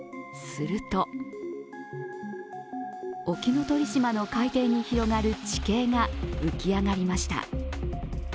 すると沖ノ鳥島の海底に広がる地形が浮き上がりました。